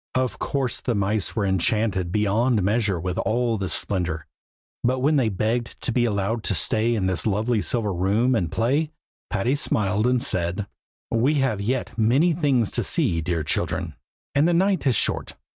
Of course the mice were enchanted beyond measure with all this splendor; but when they begged to be allowed to stay in the lovely silver room and play, Patty smiled and said, "we have yet many things to see, dear children, and the night is short.